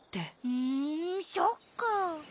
ふんそっか。